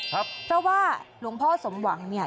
เพราะว่าหลวงพ่อสมหวังเนี่ย